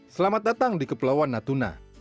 selamat datang di kepulauan natuna